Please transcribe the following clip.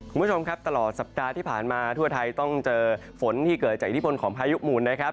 คุณผู้ชมครับตลอดสัปดาห์ที่ผ่านมาทั่วไทยต้องเจอฝนที่เกิดจากอิทธิพลของพายุหมุนนะครับ